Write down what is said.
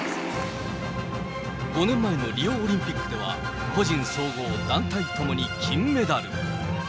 ５年前のリオオリンピックでは、個人総合、団体ともに金メダル。